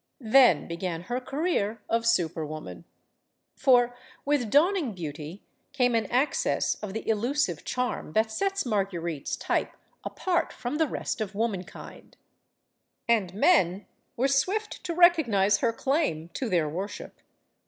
Then began her career of super woman. For, with dawning beauty, came an access of the elusive charm that sets Marguerite's type apart from the rest of womankind. And men were swift to recognize her claim to their worship.